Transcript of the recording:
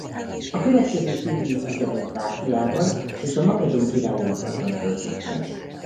A következő két évtizedet Trákiában és a makedón királyi udvarban töltötte.